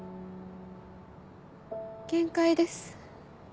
限界です。